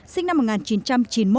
sinh năm một nghìn chín trăm chín mươi